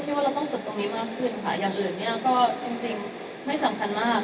ว่าเราต้องฝึกตรงนี้มากขึ้นค่ะอย่างอื่นเนี่ยก็จริงไม่สำคัญมาก